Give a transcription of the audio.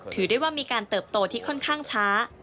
ถือได้ว่ามีการเติบโตที่ค่อนข้างช้า